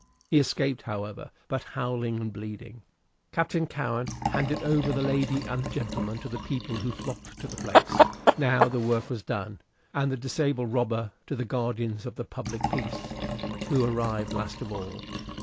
He escaped, however, but howling and bleeding. Captain Cowen handed over the lady and gentleman to the people who flocked to the place, now the work was done, and the disabled robber to the guardians of the public peace, who arrived last of all.